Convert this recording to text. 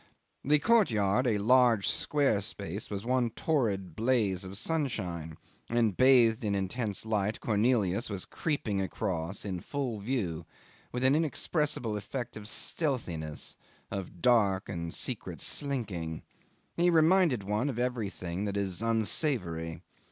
The courtyard, a large square space, was one torrid blaze of sunshine, and, bathed in intense light, Cornelius was creeping across in full view with an inexpressible effect of stealthiness, of dark and secret slinking. He reminded one of everything that is unsavoury.